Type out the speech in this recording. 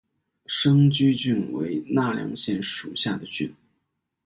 生驹郡为奈良县属下的郡。